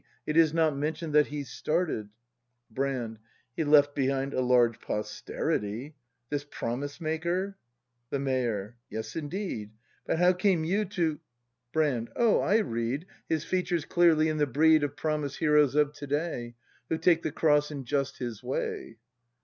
It is not mention'd that he started Brand. He left behind a large posterity. This promise maker ? The Mayor. Yes, indeed; But how came you to ? ACT III] BRAND 129 Brand. O, I read His features clearly in the breed Of promise heroes of to day, Who take the Cross in just his way.